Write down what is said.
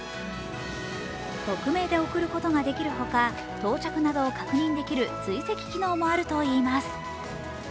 匿名で送ることができるほか、到着などを確認できる追跡機能もあるといいます。